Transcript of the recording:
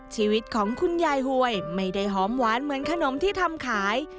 ชีวิตของคุณยายหวยไม่ได้หอมหวานเหมือนขนมที่ทำขาย